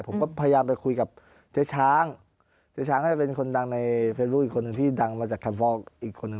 ผมก็พยายามไปคุยกับเจ๊ช้างเจ๊ช้างน่าจะเป็นคนดังในเฟซบุ๊คอีกคนหนึ่งที่ดังมาจากแคมฟอลอีกคนนึง